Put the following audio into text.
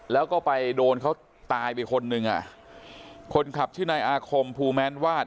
แล้วก็ไปโดนเขาตายไปคนหนึ่งอ่ะคนขับชื่อนายอาคมภูแม้นวาด